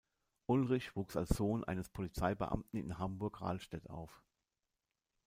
Ulrich wuchs als Sohn eines Polizeibeamten in Hamburg-Rahlstedt auf.